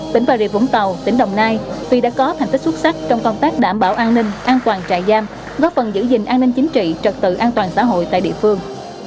tỉnh bà rịa vũng tàu tỉnh đồng nai vì đã có thành tích xuất sắc trong công tác đảm bảo an ninh an toàn trại giam góp phần giữ gìn an ninh chính trị trật tự an toàn xã hội tại địa phương